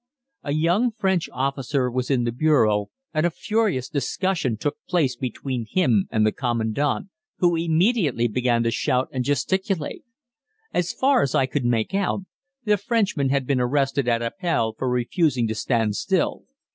A young French officer was in the bureau, and a furious discussion took place between him and the Commandant, who immediately began to shout and gesticulate. As far as I could make out, the Frenchman had been arrested at Appell for refusing to stand still.